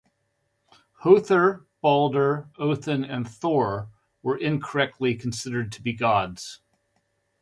Hother, Balder, Othen and Thor were incorrectly considered to be gods.